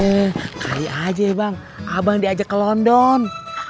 sekali aja bang abang diajak ke london